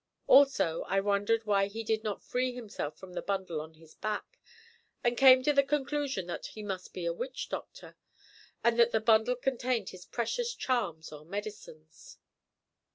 Also I wondered why he did not free himself from the bundle on his back, and came to the conclusion that he must be a witch doctor, and that the bundle contained his precious charms or medicines.